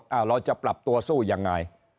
เราจะปรับตัวสู้ยังไง